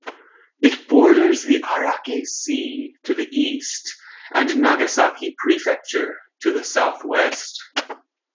It borders the Ariake Sea to the east and Nagasaki Prefecture to the southwest.